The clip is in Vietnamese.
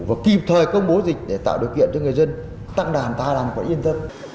và kịp thời công bố dịch để tạo điều kiện cho người dân tăng đàn ta làm có yên tâm